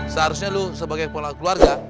seharusnya lu sebagai kepala keluarga